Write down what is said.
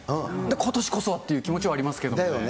ことしこそはという気持ちはありますけれどもね。